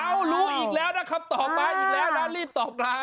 เอารู้อีกแล้วครับตอบมาอีกแล้วรีบตอบมา